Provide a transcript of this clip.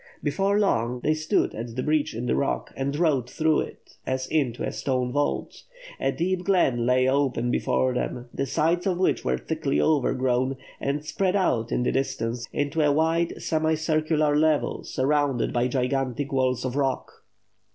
Before long, they stood at the breach in the rock and rode through it, as into a stone vault. A deep glen lay open before them, the sides of which were thickly overgrown, and spread out in the distance into a wide semicircular level sur rounded by gigantic walls of rock.